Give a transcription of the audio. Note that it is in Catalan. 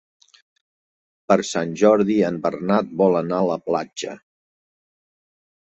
Per Sant Jordi en Bernat vol anar a la platja.